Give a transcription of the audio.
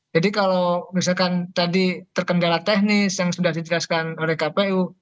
jadi kalau misalkan tadi terkendala teknis yang sudah dijelaskan oleh kpu